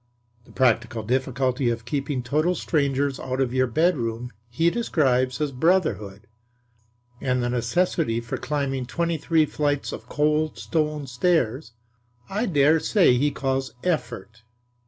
The practical difficulty of keeping total strangers out of your bedroom he describes as Brotherhood; and the necessity for climbing twenty three flights of cold stone stairs, I dare say he calls Effort.